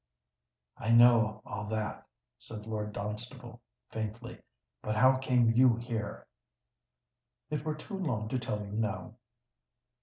"I know all that," said Lord Dunstable, faintly: "but how came you here?" "It were too long to tell you now."